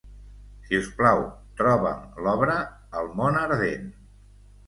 Si us plau, troba'm l'obra "El Món Ardent".